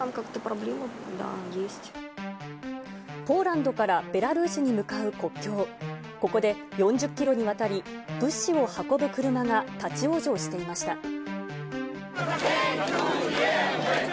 ポーランドからベラルーシに向かう国境、ここで４０キロにわたり、物資を運ぶ車が立往生していました。